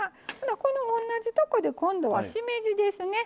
同じところに、今度はしめじですね。